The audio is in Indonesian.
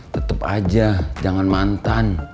tetep aja jangan mantan